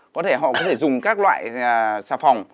có thể họ có thể dùng các loại xà phòng